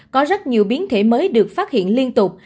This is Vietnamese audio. có rất nhiều biến thể mới được phát hiện liên tục